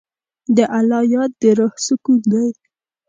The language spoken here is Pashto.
د الله یاد د روح سکون دی.